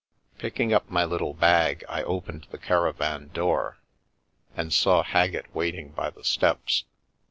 Picking up my little bag, I opened the caravan door, and saw Haggett waiting by the steps.